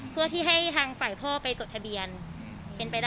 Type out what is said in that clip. เพื่อที่ให้ทางฝ่ายพ่อไปจดทะเบียน